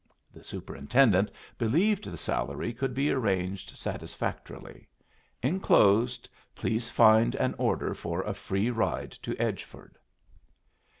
The superintendent believed the salary could be arranged satisfactorily. Enclosed please to find an order for a free ride to Edgeford.